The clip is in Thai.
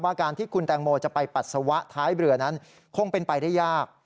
การที่คุณแตงโมจะไปปัสสาวะท้ายเรือนั้นคงเป็นไปได้ยาก